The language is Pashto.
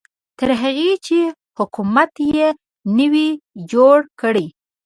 تر هغې چې حکومت یې نه وي جوړ کړی.